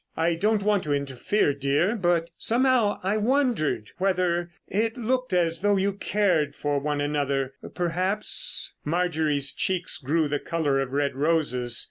I don't want to interfere, dear, but, somehow, I wondered whether—it looked as though you cared for one another, perhaps——" Marjorie's cheeks grew the colour of red roses.